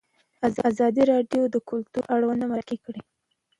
ازادي راډیو د کلتور اړوند مرکې کړي.